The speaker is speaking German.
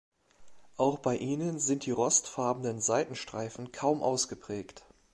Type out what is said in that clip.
Auch bei ihnen sind die rostfarbenen Seitenstreifen kaum ausgeprägt.